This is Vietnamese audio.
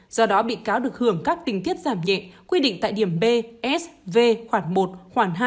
do đó bị cáo được hưởng các tình tiết giảm nhẹ quy định tại điểm b s v khoảng một khoảng hai